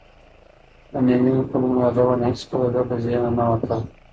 د نویمو کلونو یادونه هیڅکله د ده له ذهنه نه وتل.